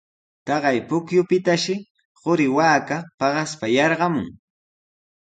Taqay pukyupitashi quri waaka paqaspa yarqamun.